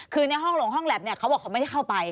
คือในห้องโรงห้องแล็บเขาบอกว่าเขาไม่ได้เข้าไป